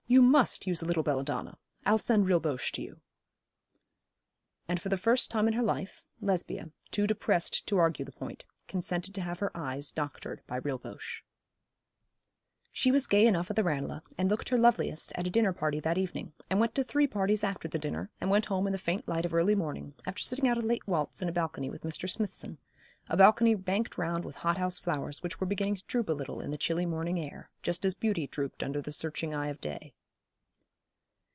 You must use a little belladonna. I'll send Rilboche to you.' And for the first time in her life, Lesbia, too depressed to argue the point, consented to have her eyes doctored by Rilboche. She was gay enough at the Ranelagh, and looked her loveliest at a dinner party that evening, and went to three parties after the dinner, and went home in the faint light of early morning, after sitting out a late waltz in a balcony with Mr. Smithson, a balcony banked round with hot house flowers which were beginning to droop a little in the chilly morning air, just as beauty drooped under the searching eye of day.